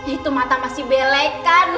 itu mata masih belek kan